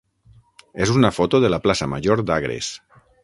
és una foto de la plaça major d'Agres.